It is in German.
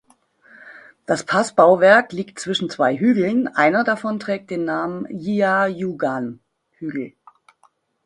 Das Pass-Bauwerk liegt zwischen zwei Hügeln, einer davon trägt den Namen „Jiayuguan-Hügel“.